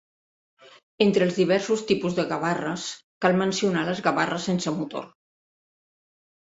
Entre els diversos tipus de gavarres cal mencionar les gavarres sense motor.